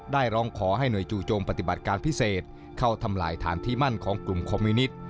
ร้องขอให้หน่วยจู่โจมปฏิบัติการพิเศษเข้าทำลายฐานที่มั่นของกลุ่มคอมมิวนิต